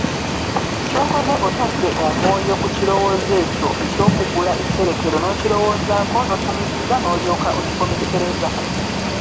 Ky'okoze, otadde omwoyo ku kirowoozo ekyo eky'okugula etterekero n'okirowoozaako, n'okifumiitiriza n'olyoka okikomekkereza.